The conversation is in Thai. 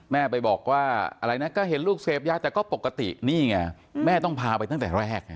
แม่ไปบอกว่าอะไรนะก็เห็นลูกเสพยาแต่ก็ปกตินี่ไงแม่ต้องพาไปตั้งแต่แรกไง